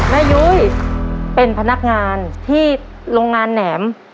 ยุ้ยเป็นพนักงานที่โรงงานแหนม